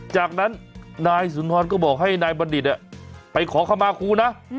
จากนั้นนายสุนทรก็บอกให้นายบัณฑิตไปขอเข้ามาครูนะ